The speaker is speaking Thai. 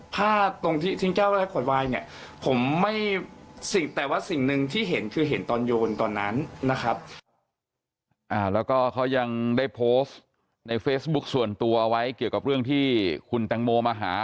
มาหาอะไรประมาณอย่างนี้ด้วยนะอ่าแล้วก็เนี่ยฮะ